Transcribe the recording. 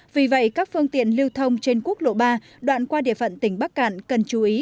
vì vậy các phương tiện lưu thông trên quốc lộ ba đoạn qua địa phận tỉnh bắc cạn cần chú ý